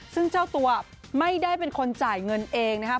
ซึ่งเจ้าตัวไม่ได้เป็นคนจ่ายเงินเองนะครับ